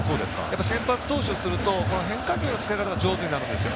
先発投手をすると変化球の使い方が上手になるんですよ。